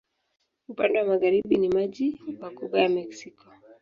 Upande wa magharibi ni maji wa Ghuba ya Meksiko.